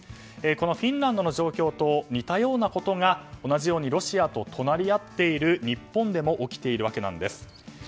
このフィンランドの状況と似たようなことが同じようにロシアと隣り合っている日本でも起きているわけです。